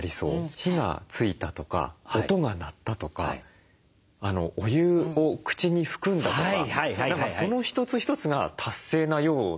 火がついたとか音が鳴ったとかお湯を口に含んだとかその一つ一つが達成なような。